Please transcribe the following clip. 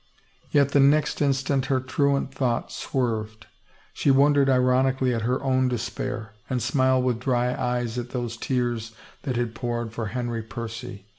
Yet the next instant her truant thought swerved; she wondered ironically at her own despair, and smiled with dry eyes at those tears that had poured for Henry Percy.